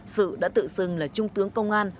sử đã tự xưng là trung tướng công an